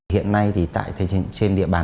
hiện nay thì trên địa bàn